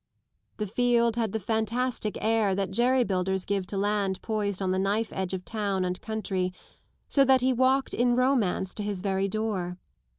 The field had the fantastic air that jerry builders give to land poised on the knife edge of town and country, so that he walked in romance to his very door.